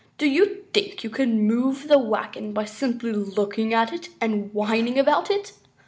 Do you think you can move the wagon by simply looking at it and whining about it?